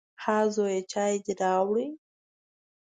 _ها زويه، چای دې راووړ؟